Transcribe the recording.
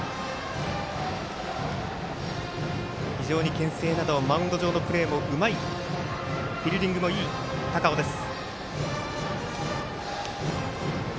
けん制などマウンド上のプレーもうまいフィールディングのいい高尾です。